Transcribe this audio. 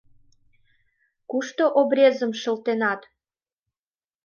Кушто обрезым шылтенат?